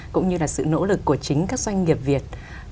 cũng như là sự nỗ lực của chính các doanh nghiệp việt